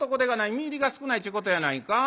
実入りが少ないっちゅうことやないか？